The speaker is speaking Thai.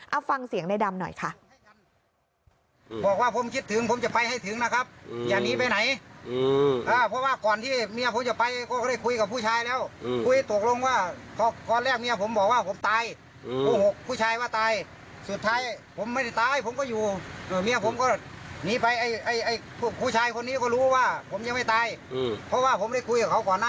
เอาฟังเสียงในดำหน่อยค่ะ